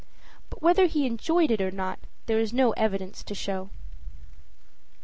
But whether he enjoyed it or not there is no evidence to show.